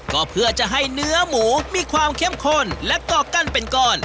ก็เพื่อจะให้เนื้อหมูมีความเข้มข้นและกอกกั้นเป็นก้อน